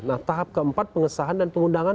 nah tahap keempat pengesahan dan pengundangan